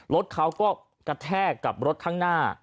รถเขาก็กระแทกกับรถข้างหน้า